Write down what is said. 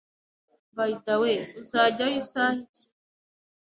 By the way, uzajyayo isaha ki?